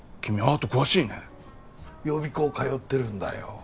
アート詳しいね予備校通ってるんだよ